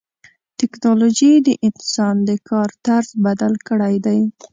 ټکنالوجي د انسان د کار طرز بدل کړی دی.